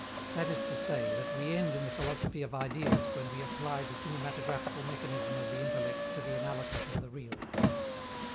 That is to say that we end in the philosophy of Ideas when we apply the cinematographical mechanism of the intellect to the analysis of the real.